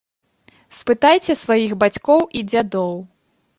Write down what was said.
Спытайце сваіх бацькоў і дзядоў.